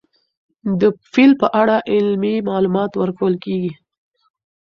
د فیل په اړه علمي معلومات ورکول کېږي.